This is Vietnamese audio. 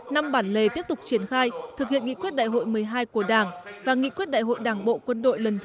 năm bản lề tiếp tục triển khai thực hiện nghị quyết đại hội một mươi hai của đảng và nghị quyết đại hội đảng bộ quân đội lần thứ hai